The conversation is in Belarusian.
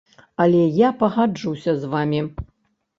Але я пагаджуся з вамі.